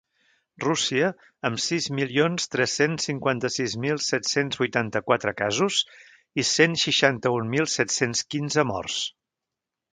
Rússia, amb sis milions tres-cents cinquanta-sis mil set-cents vuitanta-quatre casos i cent seixanta-un mil set-cents quinze morts.